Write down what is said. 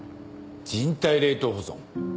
人体冷凍保存？